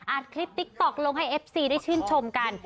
อัดคลิปติ๊กต๊อกลงให้เอฟซีได้ชื่นชมกัน